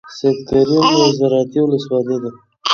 سیدکرم یوه زرعتی ولسوالۍ ده.